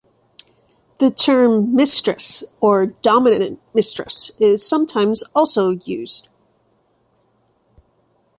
The term "mistress" or "dominant mistress" is sometimes also used.